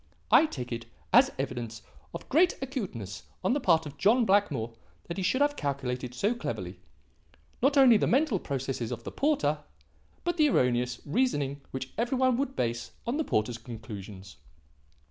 I take it as evidence of great acuteness on the part of John Blackmore that he should have calculated so cleverly, not only the mental process of the porter, but the erroneous reasoning which every one would base on the porter's conclusions.